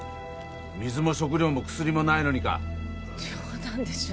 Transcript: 水も食料も薬もないのにか冗談でしょ